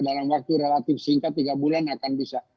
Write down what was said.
dalam waktu relatif singkat tiga bulan akan bisa